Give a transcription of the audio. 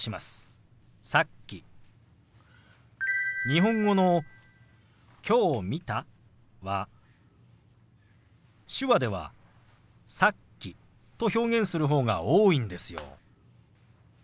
日本語の「きょう見た」は手話では「さっき」と表現する方が多いんですよ。